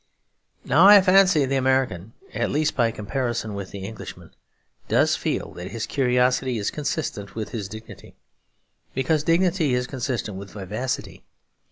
Now I fancy the American, at least by comparison with the Englishman, does feel that his curiosity is consistent with his dignity, because dignity is consistent with vivacity.